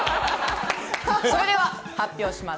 それでは発表します。